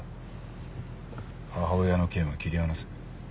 母親の件は切り離せ。